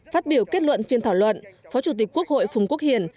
phát biểu kết luận phiên thảo luận phó chủ tịch quốc hội phùng quốc hiền